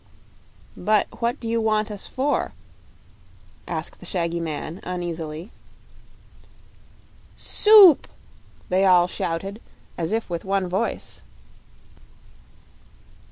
"But what do you want us for?" asked the shaggy man, uneasily. "Soup!" they all shouted, as if with one voice.